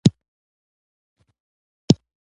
ښاغلى د خپلې څېړنې په ترڅ کې وويل چې د ټولنې اصلاح او روزنه